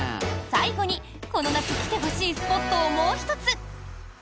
最後に、この夏来てほしいスポットをもう１つ。